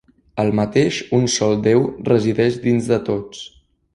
El mateix "Un sol Déu resideix dins de tots".